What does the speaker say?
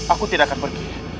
aku tidak akan pergi